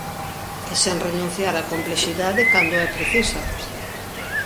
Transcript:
E sen renunciar á complexidade cando é precisa.